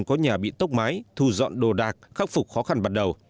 có nhà bị tốc mái thu dọn đồ đạc khắc phục khó khăn bắt đầu